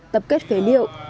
tập kết phế liệu